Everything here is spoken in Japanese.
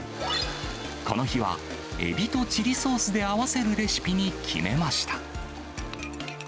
この日は、えびとチリソースで合わせるレシピに決めました。